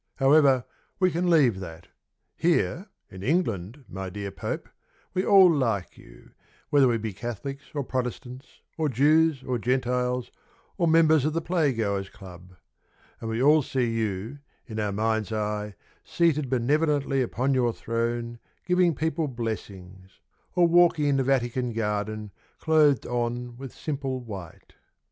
However, we can leave that; Here, in England, my dear Pope, We all like you, Whether we be Catholics or Protestants or Jews or Gentiles or members of the Playgoers' Club; And we all see you, in our minds' eye, Seated benevolently upon your throne Giving people blessings; Or walking in the Vatican Garden Clothed on with simple white.